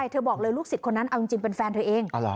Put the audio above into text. เธอบอกเลยลูกศิษย์คนนั้นเอาจริงเป็นแฟนเธอเอง